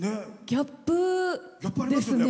ギャップですね。